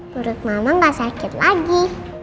perut mama gak sakit lagi